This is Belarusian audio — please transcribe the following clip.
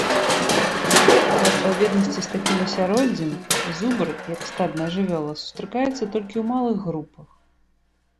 У адпаведнасці з такім асяроддзем, зубр, як стадная жывёла, сустракаецца толькі ў малых групах.